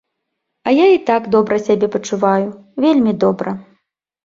А я і так добра сябе пачуваю, вельмі добра.